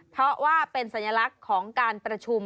เพราะว่าเป็นสัญลักษณ์ของการประชุม